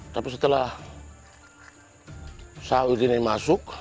tapi setelah sahur ini masuk